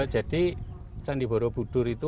jadi candi borobudur itu